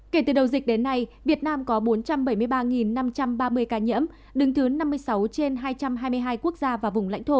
kể từ đầu dịch đến nay việt nam có bốn trăm bảy mươi ba năm trăm ba mươi ca nhiễm đứng thứ năm mươi sáu trên hai trăm hai mươi hai quốc gia và vùng lãnh thổ